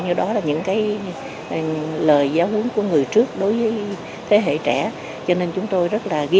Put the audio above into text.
như đó là những cái lời giáo hướng của người trước đối với thế hệ trẻ cho nên chúng tôi rất là ghi